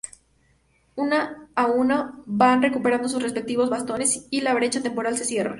Uno a uno, van recuperando sus respectivos bastones y la brecha temporal se cierra.